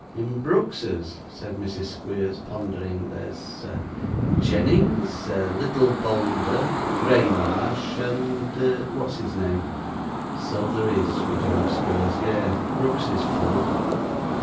'In Brooks's,' said Mrs. Squeers, pondering. 'There's Jennings, little Bolder, Graymarsh, and what's his name.' 'So there is,' rejoined Squeers. 'Yes! Brooks is full.